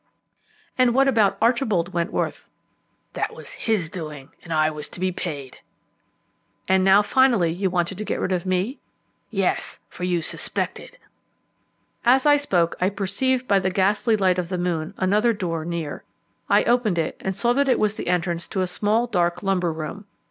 "And what about Archibald Wentworth?" "That was his doing, and I was to be paid." "And now finally you wanted to get rid of me?" "Yes; for you suspected." As I spoke I perceived by the ghastly light of the moon another door near. I opened it and saw that it was the entrance to a small dark lumber room.